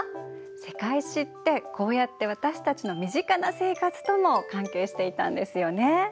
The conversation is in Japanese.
「世界史」ってこうやって私たちの身近な生活とも関係していたんですよね。